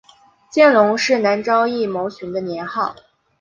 见龙是南诏异牟寻的年号。